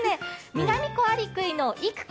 ミナミコアリクイの育君。